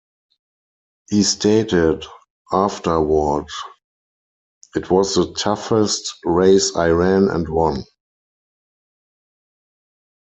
He stated afterward, it was the toughest race I ran and won.